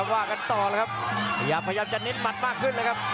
วาดกันต่อเลยครับพยายามจะนิ่นนิดมัตด์มากขึ้นเลยครับ